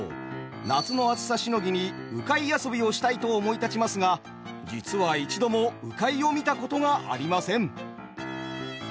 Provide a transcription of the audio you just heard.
夏の暑さしのぎに「鵜飼遊び」をしたいと思い立ちますが実は一度も鵜飼を見たことがありません。